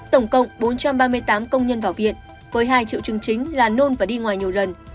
tổng cộng bốn trăm ba mươi tám công nhân vào viện với hai triệu chứng chính là nôn và đi ngoài nhiều lần